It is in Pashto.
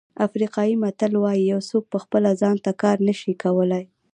افریقایي متل وایي یو څوک په خپله ځان ته کار نه شي کولای.